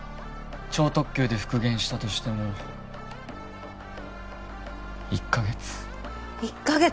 超特急で復元したとしても一か月一か月！？